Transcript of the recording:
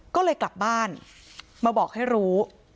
ก็เลยกลับบ้านมาบอกให้รู้